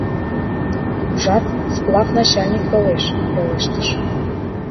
— Ужат, сплав начальник толеш... — пелештыш.